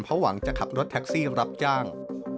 เพราะหวังจะขับรถแท็กซี่รับจ้าง